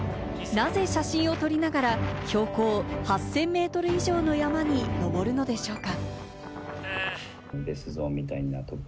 なぜ写真を撮りながら標高８０００ｍ以上の山に登るのでしょうか。